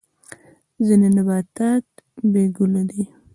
ځینې نباتات بې ګله دي